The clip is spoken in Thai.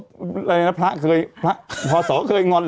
แบบไงนะพระค่ะพระขอสรเคยง้อนเหรอ